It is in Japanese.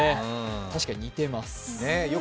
確かに似ています。